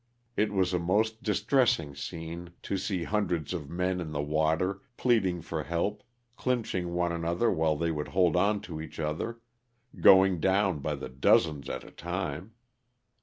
It was a most distress ing scene to see hundreds of men in the water pleading for help, clinching one another while they would hold on to each other — going down by the dozens at a time.